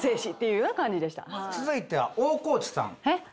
続いては大河内さん。